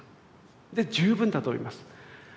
で十分だと思います。